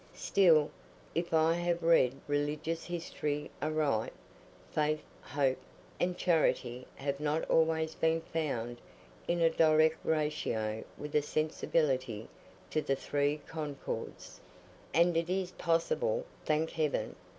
Still—if I have read religious history aright—faith, hope, and charity have not always been found in a direct ratio with a sensibility to the three concords, and it is possible—thank Heaven!